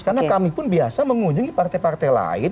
karena kami pun biasa mengunjungi partai partai lain